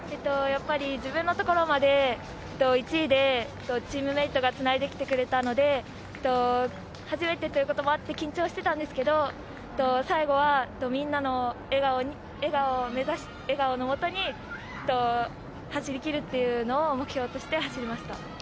自分のところまで１位でチームメートがつらいで来てくれたので、初めてということで緊張していたんですけど、最後はみんなの笑顔を目指し、笑顔のもとに走り切るっていうのを目標として走りました。